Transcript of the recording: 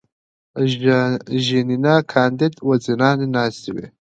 ژینینه کاندید وزیرانې ناستې وې.